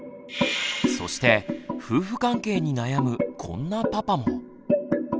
そして夫婦関係に悩むこんなパパも。